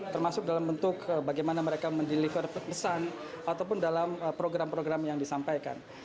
termasuk dalam bentuk bagaimana mereka mendeliver pesan ataupun dalam program program yang disampaikan